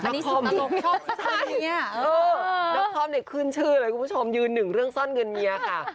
นักคล่อมเนี่ยขึ้นชื่อเลยคุณผู้ชมยืนหนึ่งเรื่องซ่อนเงินเมียค่ะ